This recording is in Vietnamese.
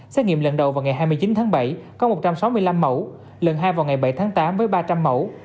xét nghiệm lần đầu vào ngày hai mươi chín tháng bảy có một trăm sáu mươi năm mẫu lần hai vào ngày bảy tháng tám với ba trăm linh mẫu